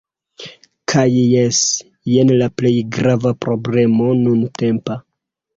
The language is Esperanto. Kaj jes, jen la plej grava problemo nuntempa